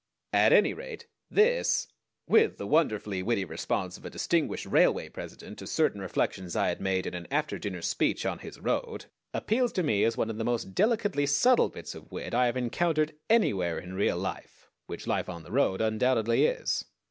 At any rate this, with the wonderfully witty response of a distinguished railway president to certain reflections I had made in an after dinner speech on his road, appeals to me as one of the most delicately subtle bits of wit I have encountered anywhere in real life which life on the road undoubtedly is.